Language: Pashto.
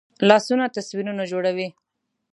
لاسونه تصویرونه جوړوي